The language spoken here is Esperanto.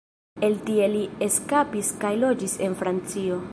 El tie li eskapis kaj loĝis en Francio.